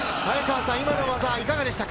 今の技、いかがでしたか？